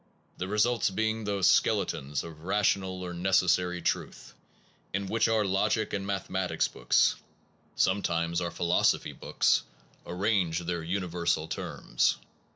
the result being those skeletons of rational or necessary truth in which our logic and mathematics books (sometimes 69 SOME PROBLEMS OF PHILOSOPHY our philosophy books) arrange their universal terms.